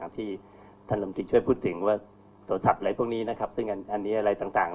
ที่ท่านลำตีช่วยพูดถึงว่าโทรศัพท์อะไรพวกนี้นะครับซึ่งอันนี้อะไรต่าง